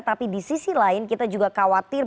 tapi di sisi lain kita juga khawatir